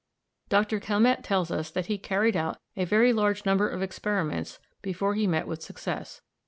Dr. Calmette tells us that he carried out a very large number of experiments before he met with success.